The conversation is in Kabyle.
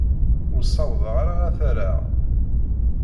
Ur ssawḍeɣ ara ad t-rreɣ.